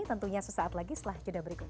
tentunya sesaat lagi setelah jeda berikut